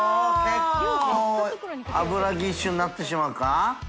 觜油ギッシュになってしまうか？